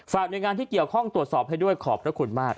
หน่วยงานที่เกี่ยวข้องตรวจสอบให้ด้วยขอบพระคุณมาก